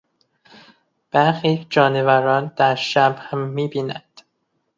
برخی جانوران در شب هم میبینند.